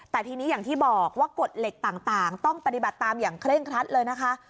แต่ทีนี้อย่างที่บอกว่ากฎเหล็กต่างต้องปฏิบัติตามอย่างเคร่งครัดเลยนะคะ